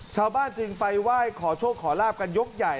ชาวบ้านจึงไปไหว้ขอโชคขอลาบกันยกใหญ่